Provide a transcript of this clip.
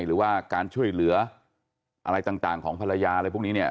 หรือว่าการช่วยเหลืออะไรต่างของภรรยาอะไรพวกนี้เนี่ย